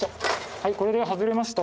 はいこれで外れました。